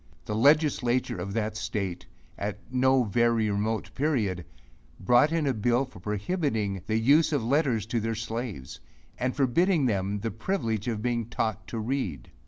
7 The legislature of that state, at no very remote period, brought in a bill for prohibiting the use of letters to their slaves, and forbidding them the privilege of being taught to read!